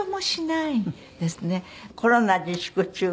コロナ自粛中は。